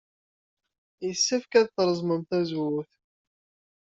Yessefk ad treẓmem tazewwut?